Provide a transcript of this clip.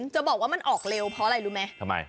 จะบอกว่ามันออกเร็วเพราะอะไรรู้ไหมทำไม